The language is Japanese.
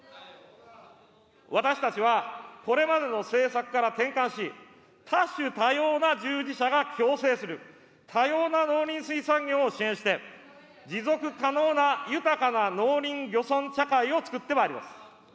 私たちは、これまでの政策から転換し、多種多様な従事者が共生する、多様な農林水産業を支援して、持続可能な豊かな農林漁村社会をつくってまいります。